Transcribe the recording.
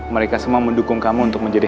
mereka semua mendukung kamu untuk menjadi